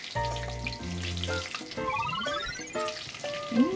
うん！